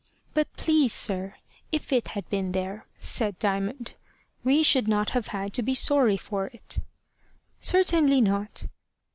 "But, please, sir, if it had been there," said Diamond, "we should not have had to be sorry for it." "Certainly not."